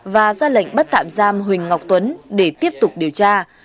và ra lệnh bắt tạm giam huỳnh ngọc tuấn để tiếp tục điều tra